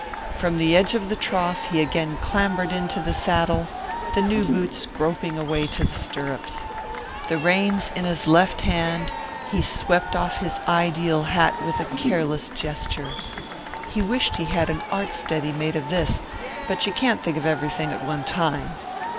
From the edge of the trough he again clambered into the saddle, the new boots groping a way to the stirrups. The reins in his left hand, he swept off his ideal hat with a careless gesture he wished he had had an art study made of this, but you can't think of everything at one time.